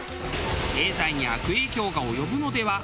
「経済に悪影響が及ぶのでは？」